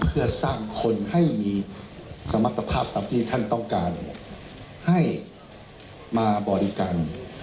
ผู้ทำงาน